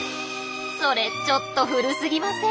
それちょっと古すぎません？